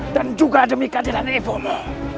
dan juga demi keadilan ibu mu